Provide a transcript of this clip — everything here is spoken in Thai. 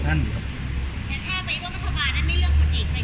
ผมไม่ได้เป็นสอสอครับผมไม่ได้ไปคุยกับท่านครับ